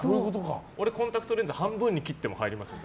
俺、コンタクトレンズ半分に切っても入りますね。